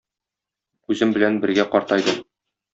Үзем белән бергә картайды